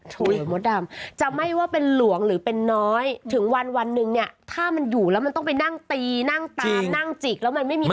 มดดำจะไม่ว่าเป็นหลวงหรือเป็นน้อยถึงวันวันหนึ่งเนี่ยถ้ามันอยู่แล้วมันต้องไปนั่งตีนั่งตามนั่งจิกแล้วมันไม่มีคน